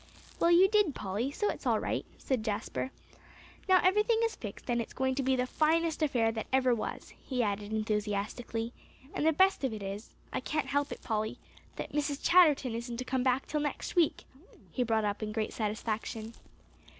"Well, you did, Polly, so it's all right," said Jasper. "Now everything is fixed, and it's going to be the finest affair that ever was," he added enthusiastically; "and the best of it is I can't help it, Polly that Mrs. Chatterton isn't to come back till next week," he brought up in great satisfaction.